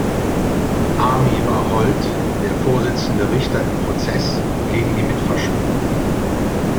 Army war Holt der vorsitzende Richter im Prozess gegen die Mitverschwörer.